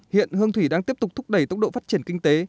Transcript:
hiện hương thủy đang tiếp tục thúc đẩy tốc độ phát triển kinh tế